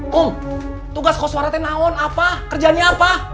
kum tugas koswara itu apa kerjanya apa